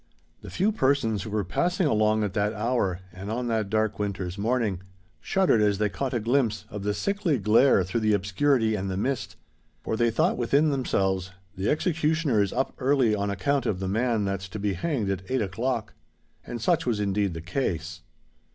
The few persons who were passing along at that hour, and on that dark winter's morning, shuddered as they caught a glimpse of the sickly glare through the obscurity and the mist—for they thought within themselves, "The executioner is up early on account of the man that's to be hanged at eight o'clock." And such was indeed the case.